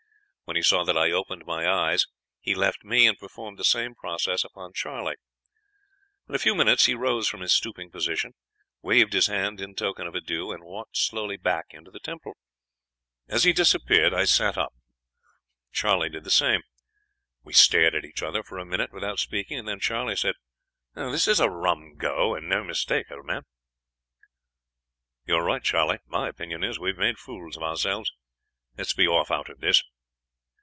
When he saw that I opened my eyes he left me, and performed the same process upon Charley. In a few minutes he rose from his stooping position, waved his hand in token of adieu, and walked slowly back into the temple. "As he disappeared I sat up; Charley did the same. "We stared at each other for a minute without speaking, and then Charley said: "'This is a rum go, and no mistake, old man.' "'You're right, Charley. My opinion is, we've made fools of ourselves. Let's be off out of this.'